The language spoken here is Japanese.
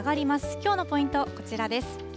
きょうのポイント、こちらです。